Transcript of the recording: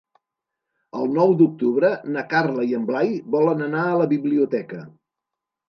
El nou d'octubre na Carla i en Blai volen anar a la biblioteca.